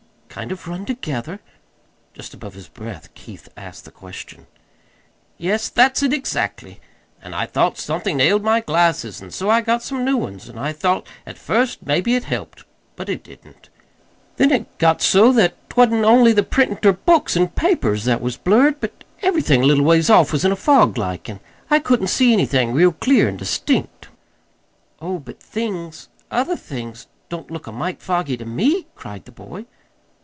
"Kind of run together?" Just above his breath Keith asked the question. "Yes, that's it exactly. An' I thought somethin' ailed my glasses, an' so I got some new ones. An' I thought at first maybe it helped. But it didn't. Then it got so that't wa'n't only the printin' ter books an' papers that was blurred, but ev'rything a little ways off was in a fog, like, an' I couldn't see anything real clear an' distinct." "Oh, but things other things don't look a mite foggy to me," cried the boy.